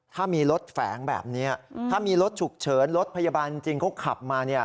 ถ้ามีรถแฝงแบบนี้ถ้ามีรถฉุกเฉินรถพยาบาลจริงเขาขับมา